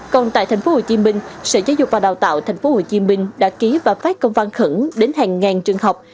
còn tại tp hcm sở giáo dục và đào tạo tp hcm đã ký và phát công văn khẩn đến hàng ngàn trường học